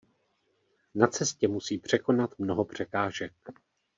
Na cestě musí překonat mnoho překážek.